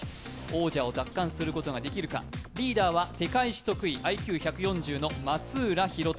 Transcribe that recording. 王者を奪還することができるか、リーダーは世界史得意、ＩＱ１４０の松浦央尚。